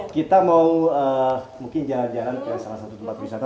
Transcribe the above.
kita mau mungkin jalan jalan ke salah satu tempat wisata